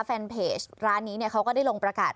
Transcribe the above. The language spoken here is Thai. แฟนเพจร้านนี้เนี่ยเขาก็ได้ลงประกาศ